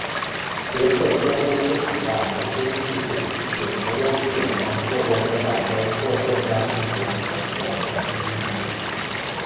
别克托夫斯卡亚农村居民点是俄罗斯联邦沃洛格达州沃热加区所属的一个农村居民点。